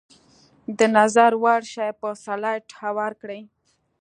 د نظر وړ شی په سلایډ هوار کړئ.